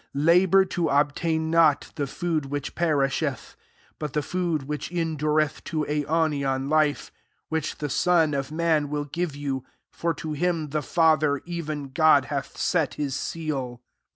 27 Labour to obtain not the food which perishetb, but the food which enduretfa to aionian life« which the Sou of man will give you, for to him the Father, rven God, hath set his seal."